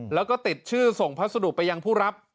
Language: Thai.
แล้วก็ติดชื่อส่งพัสดุไปยังผู้รับ